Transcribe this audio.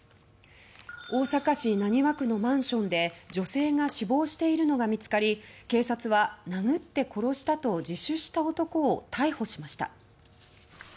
大阪市浪速区のマンションで女性が死亡しているのが見つかり警察は、殴って殺したと自首した男を逮捕しました。